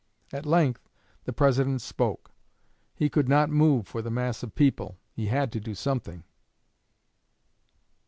At length the President spoke. He could not move for the mass of people he had to do something.